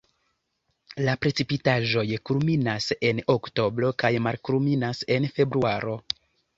La precipitaĵoj kulminas en oktobro kaj malkulminas en februaro.